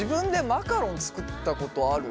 マカロン作ったことある？